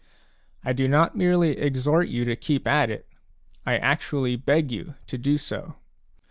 I do not merely exhort you to keep at it ; I actually beg you to do so.